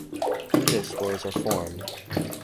Endospores are formed.